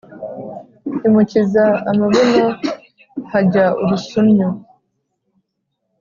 Imukiza amabuno hajya urusunnyu